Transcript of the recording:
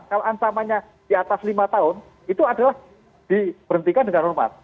kalau ancamannya di atas lima tahun itu adalah diberhentikan dengan hormat